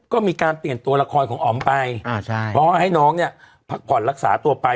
ก็มีการเปลี่ยนตัวละครของอ๋อมไปเพราะว่าให้น้องเนี่ยพักผ่อนรักษาตัวไป